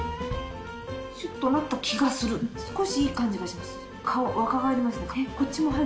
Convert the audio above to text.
シュっとなった気がする少しいい感じがします。